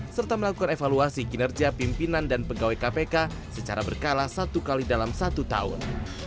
serta melakukan evaluasi kinerja pimpinan dan pegawai kpk secara berkala satu kali dalam satu tahun